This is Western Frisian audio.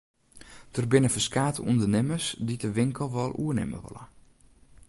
Der binne ferskate ûndernimmers dy't de winkel wol oernimme wolle.